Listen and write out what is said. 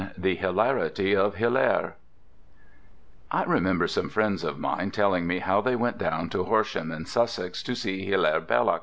THE HILARITY OF HILAIRE I remember some friends of mine telling me how they went down to Horsham, in Sussex, to see Hilaire Belloc.